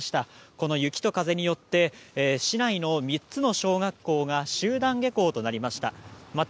この雪と風によって市内の３つの小学校が集団下校となりました。